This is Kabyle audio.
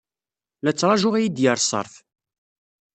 La ttṛajuɣ ad iyi-d-yerr ṣṣerf.